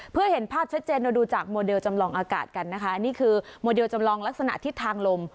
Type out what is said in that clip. เพื่อเห็นภาพชัดเจนเราดูจากโมเดลจำลองอากาศกันนะคะนี่คือโมเดลจำลองลักษณะทิศทางลม